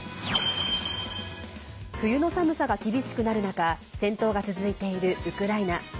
冬の寒さが厳しくなる中戦闘が続いているウクライナ。